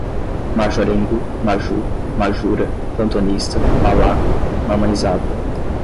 majorengo, majú, majura, plantonista, malaco, mamãezada